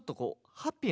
ハッピー。